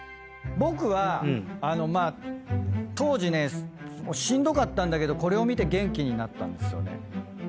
僕はあのまあ当時ねしんどかったんだけどこれを見て元気になったんですよね。